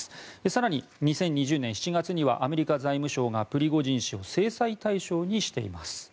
更に２０２０年７月にはアメリカ財務省がプリゴジン氏を制裁対象にしています。